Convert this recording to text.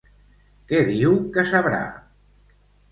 Què diu que sabrà?